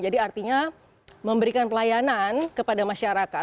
jadi artinya memberikan pelayanan kepada masyarakat